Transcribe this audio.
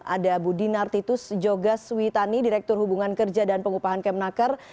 ada budinar titus jogas witani direktur hubungan kerja dan pengupahan kemenaker